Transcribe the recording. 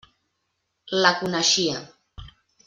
La coneixia.